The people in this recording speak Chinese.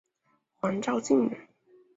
黄兆晋人。